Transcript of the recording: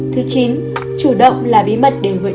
thứ chín chủ động là bí mật để vợ chồng hòa hợp